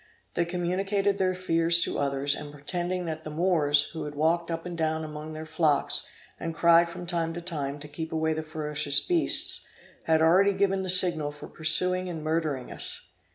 They communicated their fears to others, and pretending that the Moors, who walked up and down among their flocks, and cried from time to time to keep away the ferocious beasts, had already given the signal for pursuing and murdering us.